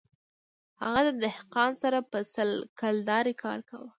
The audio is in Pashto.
هغه د دهقان سره په سل کلدارې کار کاوه